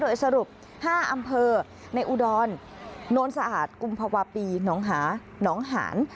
โดยสรุป๕อำเภอในอุดรโนนสะอาดกุมภาวะปีหนองหาหนองหาน